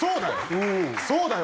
そうだよ。